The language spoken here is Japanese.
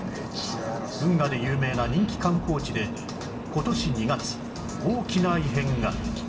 運河で有名な人気観光地で今年２月大きな異変が